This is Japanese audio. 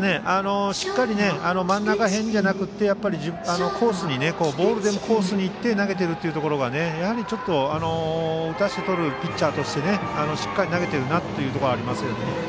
しっかりと真ん中辺じゃなくてボールでもコースに行って投げているというところが打たせてとるピッチャーとしてしっかり投げているなというところはありますね。